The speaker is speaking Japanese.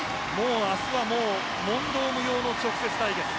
明日は問答無用の直接対決です。